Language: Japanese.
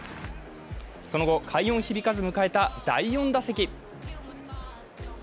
その後、快音響かず迎えた第４打席。